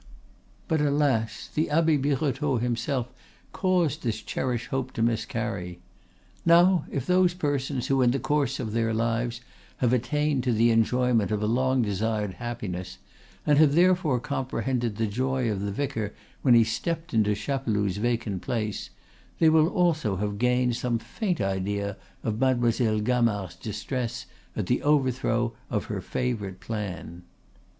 But alas! the abbe Birotteau himself caused this cherished hope to miscarry. Now if those persons who in the course of their lives have attained to the enjoyment of a long desired happiness and have therefore comprehended the joy of the vicar when he stepped into Chapeloud's vacant place, they will also have gained some faint idea of Mademoiselle Gamard's distress at the overthrow of her favorite plan.